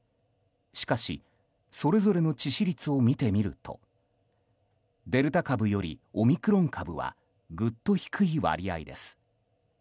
しかし、それぞれの致死率を見てみるとデルタ株よりオミクロン株はぐっと低い割合です。